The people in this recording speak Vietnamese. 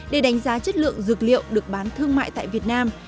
để đánh giá chất lượng dược liệu được bán thương mại tại việt nam